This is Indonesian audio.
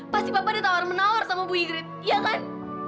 pasti papa ditawar menawar sama ibu igrid iya kan